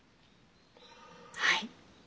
はい。